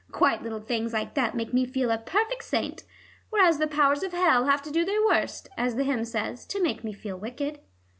Quite little things like that make me feel a perfect saint. Whereas the powers of hell have to do their worst, as the hymn says, to make me feel wicked."